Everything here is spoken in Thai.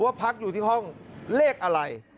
พักอยู่ที่ห้องเลขอะไร